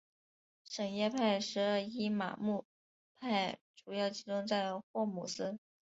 什叶派十二伊玛目派主要集中在霍姆斯。